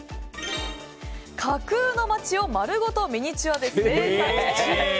架空の街を丸ごとミニチュアで制作中。